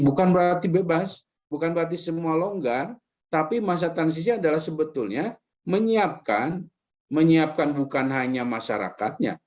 bukan berarti bebas bukan berarti semua longgar tapi masa transisi adalah sebetulnya menyiapkan bukan hanya masyarakatnya